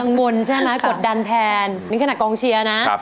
ลังบุญใช่มั้ยกดดันแทนนี่ขนาดกองเชียร์นะ